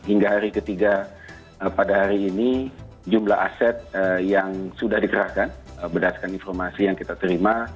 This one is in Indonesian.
hingga hari ketiga pada hari ini jumlah aset yang sudah dikerahkan berdasarkan informasi yang kita terima